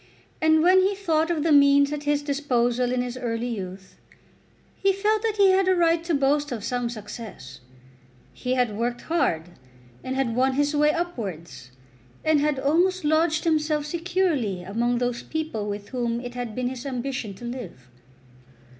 And, when he thought of the means at his disposal in his early youth, he felt that he had a right to boast of some success. He had worked hard, and had won his way upwards, and had almost lodged himself securely among those people with whom it had been his ambition to live.